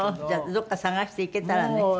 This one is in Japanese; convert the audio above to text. じゃあどこか探して行けたらね。